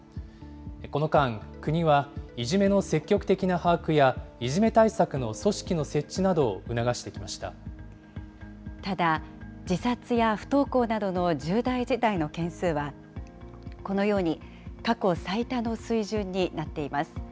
この間、国はいじめの積極的な把握や、いじめ対策の組織の設置なただ、自殺や不登校などの重大事態の件数は、このように過去最多の水準になっています。